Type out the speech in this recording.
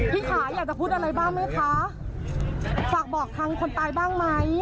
พี่ขาอยากจะพูดอะไรบ้างไหมคะฝากบอกทางคนตายบ้างไหม